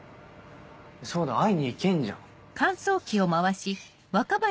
そうだ会いに行けんじゃん。